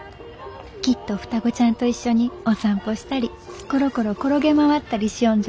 きっと双子ちゃんと一緒にお散歩したりころころ転げ回ったりしよんじゃろうなあ。